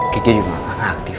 kiki juga aktif